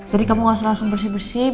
jadi kamu langsung asuh bersih bersih